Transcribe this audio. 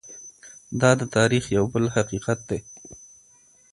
دا د تاریخ یو بل حقیقت دی.